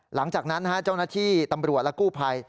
หลังจากนั้นเจ้าหน้าที่ตำรวจและกู้ภัย